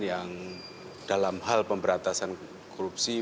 yang dalam hal pemberantasan korupsi